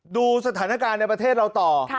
ดูสถานการณ์ในประเทศเราต่อ